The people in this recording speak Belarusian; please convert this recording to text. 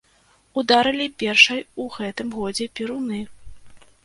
Ударылі першай у гэтым годзе перуны.